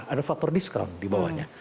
ada faktor discount di bawahnya